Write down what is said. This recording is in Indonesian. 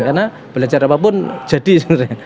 karena belajar apapun jadi sebenarnya